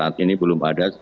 saat ini belum ada